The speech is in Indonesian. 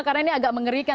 karena ini agak mengerikan